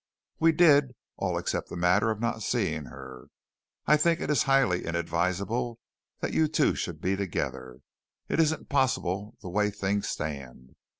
"We did, all except the matter of not seeing her. I think it is highly inadvisable that you two should be together. It isn't possible the way things stand.